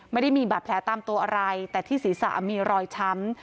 ไม่ได้มีบาดแผลตามตัวอะไรแต่ที่ศีรษะมีรอยช้ำ